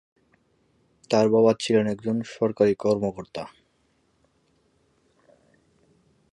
তাঁর বাবা ছিলেন একজন সরকারী কর্মকর্তা।